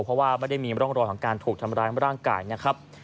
เพราะว่าไม่ได้มีร่องรอยของการถูกทำร้ายร่างกายนะครับ